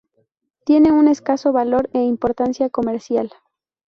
Tiene una escaso valor e importancia comercial.